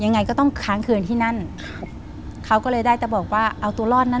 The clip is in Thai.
ยังไงก็ต้องค้างคืนที่นั่นครับเขาก็เลยได้แต่บอกว่าเอาตัวรอดนะ